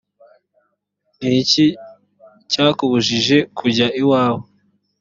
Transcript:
niki cyakubujije kujya iwawe